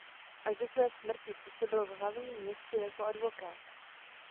Až do své smrti působil v hlavním městě jako advokát.